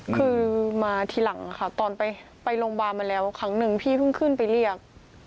คือมาทีหลังค่ะตอนไปโรงพยาบาลมาแล้วครั้งหนึ่งพี่เพิ่งขึ้นไปเรียก